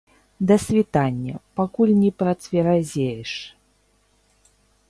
Да світання, пакуль не працверазееш.